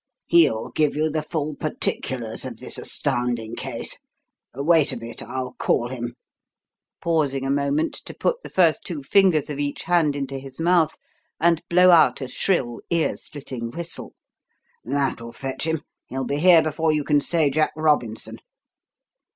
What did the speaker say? He'll give you the full particulars of this astounding case. Wait a bit. I'll call him" pausing a moment to put the first two fingers of each hand into his mouth and blow out a shrill, ear splitting whistle. "That'll fetch him! He'll be here before you can say Jack Robinson!"